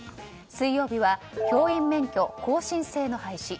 水曜日は、教員免許更新制の廃止。